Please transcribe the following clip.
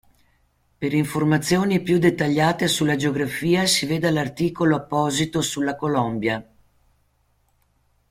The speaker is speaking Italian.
Per informazioni più dettagliate sulla geografia si veda l'articolo apposito sulla Colombia.